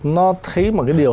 nó thấy một cái điều